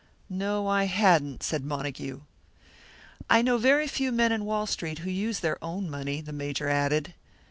"No, I hadn't," said Montague. "I know very few men in Wall Street who use their own money," the Major added.